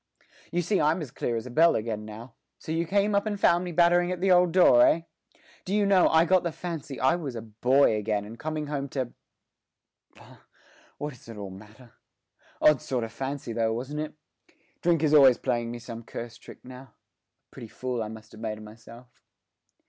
You see I'm as clear as a bell again now. So you came up and found me battering at the old door, eh? Do you know, I got the fancy I was a boy again and coming home to bah, what does all that matter? Odd sort of fancy though, wasn't it? Drink is always playing me some cursed trick now. A pretty fool I must have made of myself!'